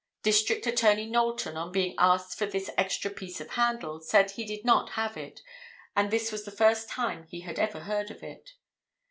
District Attorney Knowlton, on being asked for this extra piece of handle, said he did not have it, and this was the first time he had ever heard of it.